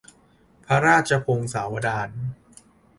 พระราชพงศาวดาร